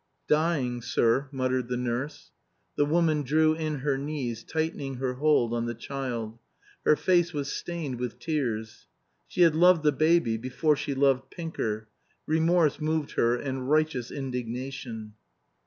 "Dying, sir," muttered the nurse. The woman drew in her knees, tightening her hold on the child. Her face was stained with tears. (She had loved the baby before she loved Pinker. Remorse moved her and righteous indignation.)